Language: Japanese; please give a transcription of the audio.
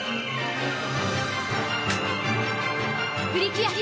プリキュア！